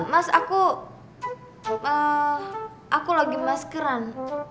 mas aku aku lagi maskeran